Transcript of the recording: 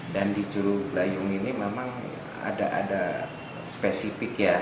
dan di curug layung ini memang ada spesifik ya